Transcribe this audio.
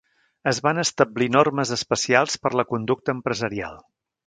Es van establir normes especials per la conducta empresarial.